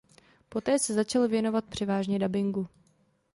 Poté se začal věnovat převážně dabingu.